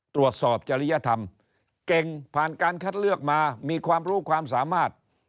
จริยธรรมเก่งผ่านการคัดเลือกมามีความรู้ความสามารถ